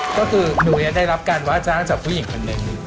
ก็คือหนูได้รับการว่าจ้างจากผู้หญิงคนหนึ่ง